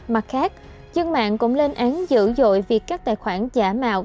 mặt khác dân mạng cũng lên án dữ dội việc các tài khoản giả mạo